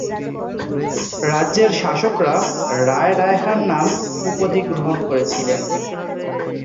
রাজ্যের শাসকরা রায় রায়হান নাম উপাধি গ্রহণ করেছিলেন।